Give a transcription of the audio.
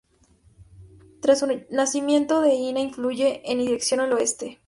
Tras su nacimiento, el Ina fluye en dirección al oeste.